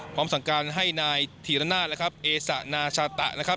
พร้อมสั่งการให้นายธีรนาศนะครับเอสะนาชาตะนะครับ